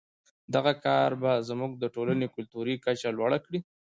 دغه کار به زموږ د ټولنې کلتوري کچه لوړه کړي.